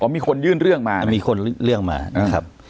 มีคนยื่นเรื่องมามีคนเรื่องมานะครับ